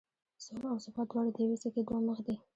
سوله او ثبات دواړه د یوې سکې دوه مخ دي.